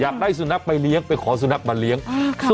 อยากได้สุนัขไปเลี้ยงไปขอสุนัขมาเลี้ยงอืมครับครับ